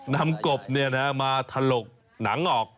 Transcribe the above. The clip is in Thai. นำกบเนี่ยนะมาถลกหนังออก